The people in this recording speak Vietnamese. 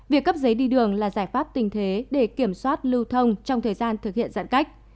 việc cấp giấy đi đường là giải pháp tình thế để kiểm soát lưu thông trong thời gian thực hiện giãn cách